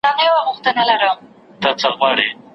محصل د متن دقت زیاتوي.